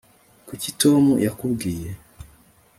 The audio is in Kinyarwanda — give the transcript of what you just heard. kuki tom yakubwiye